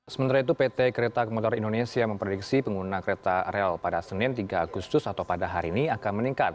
sementara itu pt kereta komuter indonesia memprediksi pengguna kereta rel pada senin tiga agustus atau pada hari ini akan meningkat